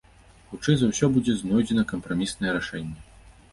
Хутчэй за ўсё, будзе знойдзена кампраміснае рашэнне.